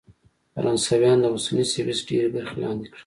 فرانسویانو د اوسني سویس ډېرې برخې لاندې کړې.